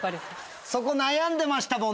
そこ悩んでましたもんね。